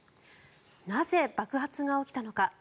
なぜ爆発が起きたのか。